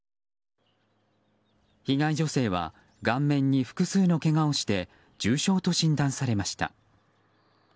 被害女性は顔面に複数のけがをして重傷と診断されました。